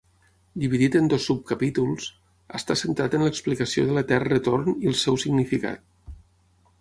Dividit en dos subcapítols, està centrat en l’explicació de l’etern retorn i el seu significat.